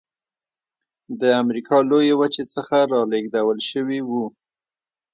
د امریکا لویې وچې څخه رالېږدول شوي وو.